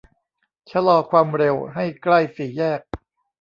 ชะลอความเร็วให้ใกล้สี่แยก